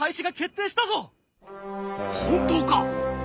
本当か！